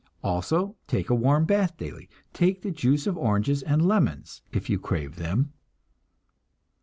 Also take a warm bath daily. Take the juice of oranges and lemons if you crave them.